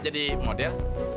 luar ya enggak